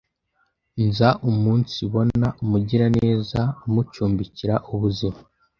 Nza umunsibona umugiraneza umucumbikiraubuzima